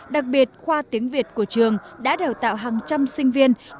đặc biệt khoa tiếng việt của trường đã đào tạo hàng trăm sinh viên